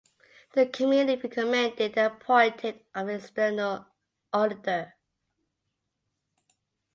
The committee recommended the appointed of an external auditor.